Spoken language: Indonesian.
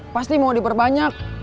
pasti mau diberbanyak